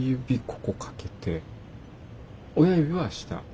ここ掛けて親指は下。